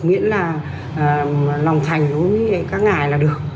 miễn là lòng thành đối với các ngài là được